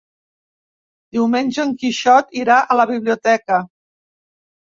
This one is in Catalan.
Diumenge en Quixot irà a la biblioteca.